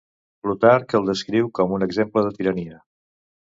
Plutarc el descriu com un exemple de tirania.